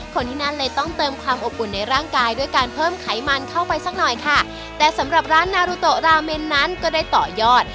คนที่นั่นเลยต้องเติมความอบอุ่นในร่างกายด้วยการเพิ่มไขมันเข้าไปสักหน่อยค่ะแต่สำหรับร้านนารุโตราเมนนั้นก็ได้ต่อยอด